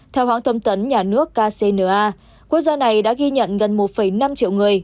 theo hãng thông tấn nhà nước kcna quốc gia này đã ghi nhận gần một năm triệu người